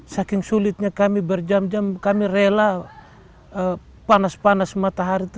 saking sulitnya kami berjam jam kami rela panas panas matahari itu